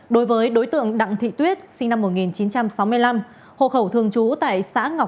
đối với đối tượng đặng thị tuyết sinh năm một nghìn chín trăm sáu mươi năm hộ khẩu thường trú tại xã ngọc